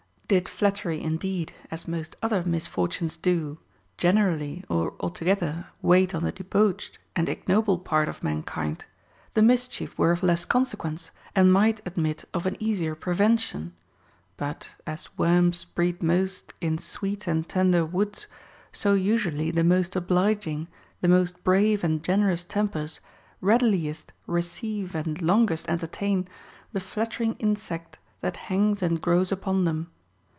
2. Did flattery, indeed, as most other misfortunes do, generally or altogether wait on the debauched and ignoble part of mankind, the mischief were of less consequence, and might admit of an easier prevention. But, as worms breed most in sweet and tender woods, so usually the most obliging, the most brave and generous tempers readiliest receive and longest entertain the flattering insect that hangs and grows upon them.